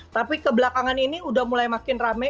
tapi kebelakangan ini udah mulai makin rame